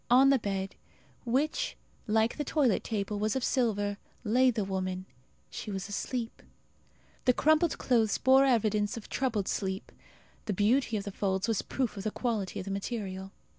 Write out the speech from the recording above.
On the bed, which, like the toilet table, was of silver, lay the woman; she was asleep. The crumpled clothes bore evidence of troubled sleep. The beauty of the folds was proof of the quality of the material.